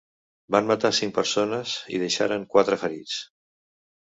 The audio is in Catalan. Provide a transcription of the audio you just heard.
Van matar cinc persones i deixaren quatre ferits.